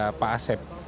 keluarga pak asep